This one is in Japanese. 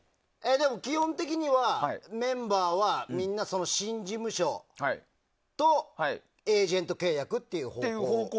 でも基本的にメンバーはみんな、新事務所とエージェント契約っていう方向？